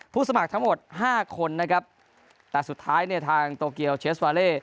สมัครทั้งหมดห้าคนนะครับแต่สุดท้ายเนี่ยทางโตเกียวเชสวาเล่